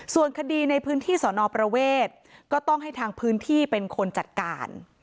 ส่วนคดีในพื้นที่สอนอประเวทก็ต้องให้ทางพื้นที่เป็นคนจัดการ